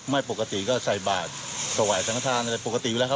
ไม่ปกติก็ใส่บาตรสวายสังธารปกติอยู่แล้วครับ